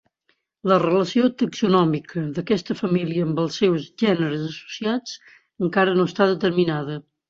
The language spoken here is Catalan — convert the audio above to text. La relació taxonòmica d'aquesta família amb els seus gèneres associats encara no està determinada.